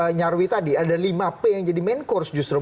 mas nyarwi tadi ada lima p yang jadi main course justru